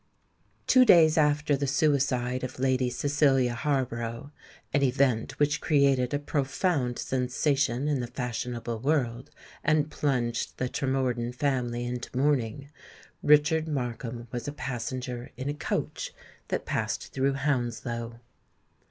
Two days after the suicide of Lady Cecilia Harborough,—an event which created a profound sensation in the fashionable world, and plunged the Tremordyn family into mourning,—Richard Markham was a passenger in a coach that passed through Hounslow.